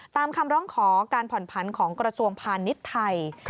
ตามคำร้องขอการผ่อนผันของกระทรวงพาณิชย์ไทย